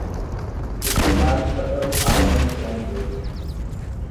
এতে লাল, সাদা ও কালো রঙের ব্যান্ড রয়েছে।